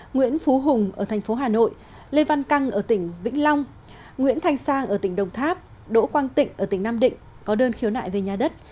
nguyễn phú hùng ở thành phố hà nội lê văn căng ở tỉnh vĩnh long nguyễn thanh sang ở tỉnh đồng tháp đỗ quang tịnh ở tỉnh nam định có đơn khiếu nại về nhà đất